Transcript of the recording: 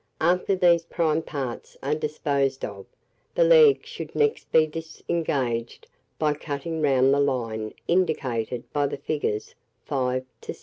After these prime parts are disposed of, the leg should next be disengaged by cutting round the line indicated by the figures 5 to 6.